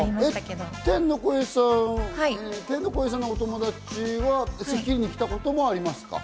天の声さんのお友達は、『スッキリ』に来たこともありますか？